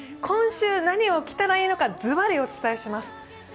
今週、何を着たらいいのか、ズバリお伝えします。